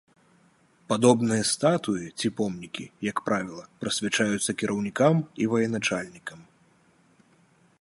Падобныя статуі ці помнікі, як правіла, прысвячаюцца кіраўнікам і военачальнікам.